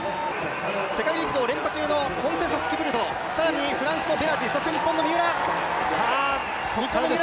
世界陸上連覇中のキプルト、更にフランスのベラジそして日本の三浦。